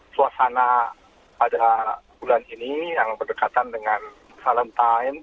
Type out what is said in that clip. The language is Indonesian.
suasana pada bulan ini yang berdekatan dengan valentine